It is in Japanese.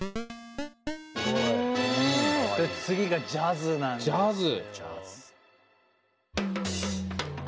次がジャズなんです。